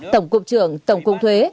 tổng cục trưởng tổng cục thuế